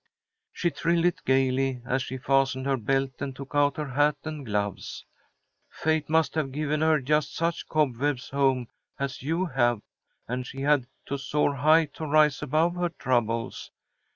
'" She trilled it gaily as she fastened her belt, and took out her hat and gloves. "Fate must have given her just such a cobwebless home as you have, and she had to soar high to rise above her troubles.